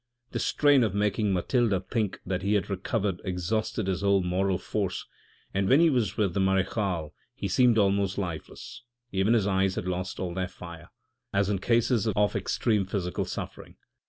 The strain of making Mathilde think that he had recovered exhausted his whole moral force, and when he was with the marechale he seemed almost lifeless ; even his eyes had lost all their fire, as in cases of extreme physical suffering.